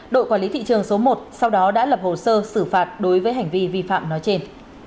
đội quản lý thị trường số một sau đó đã lập hồ sơ xử phạt đối với hành vi vi phạm nói trên